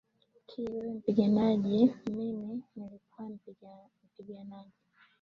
K wewe ni mpiganaji mimi nilikuwa mpiganaji